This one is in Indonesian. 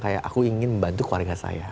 kayak aku ingin membantu keluarga saya